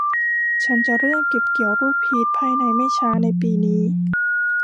ฉันจะเริ่มเก็บเกี่ยวลูกพีชภายในไม่ช้าในปีนี้